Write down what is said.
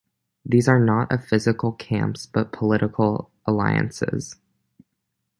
These are not a physical camps but political alliances.